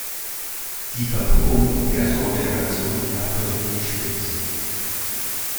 Die Verpuppung der Sommergeneration erfolgt im Gespinst.